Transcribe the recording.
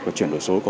của chuyển đổi số của